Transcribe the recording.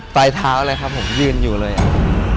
ปลายเท้าเลยครับผมยืนอยู่เลยอ่ะ